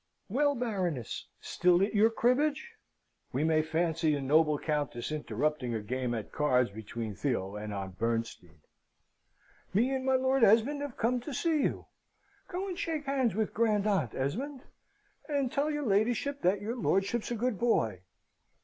"Well, Baroness! still at your cribbage?" (We may fancy a noble Countess interrupting a game at cards between Theo and Aunt Bernstein.) "Me and my Lord Esmond have come to see you! Go and shake hands with grandaunt, Esmond! and tell her ladyship that your lordship's a good boy!"